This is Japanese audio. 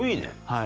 はい。